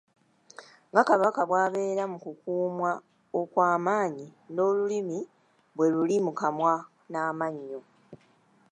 Nga Kabaka bw’abeera mu kukuumwa okw’amaanyi, n’olulimi bwe luli mu kamwa n’amannyo.